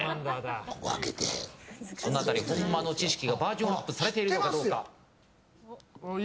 この辺り本間の知識がバージョンアップされているかどうか。